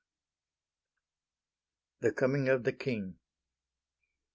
_) THE COMING OF THE KING.